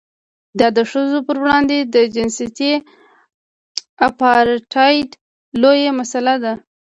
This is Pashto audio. دا د ښځو پر وړاندې د جنسیتي اپارټایډ لویه مسله ده.